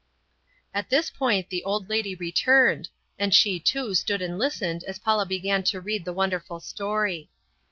At this point the old lady returned, and she too stood and listened as Paula began to read the wonderful story.